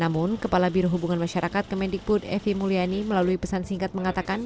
namun kepala biro hubungan masyarakat kemendikbud evi mulyani melalui pesan singkat mengatakan